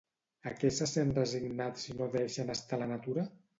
A què se sent resignat si no deixen estar la natura?